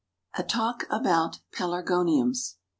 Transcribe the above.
A Talk About Pelargoniums.